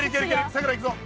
さくらいくぞ！